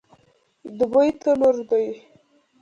دوبی تنور دی